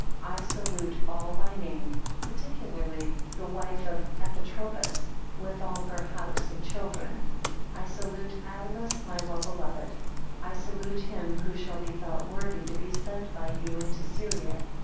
8 I salute all by name; particularly the wife of Epitropus with all her house and children. I salute Attalus my well beloved. 9 I salute him who shall be thought worthy to be sent by you into Syria.